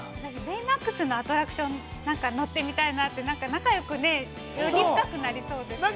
◆ベイマックスのアトラクション、なんか乗ってみたいなって仲よくね、なりそうですよね。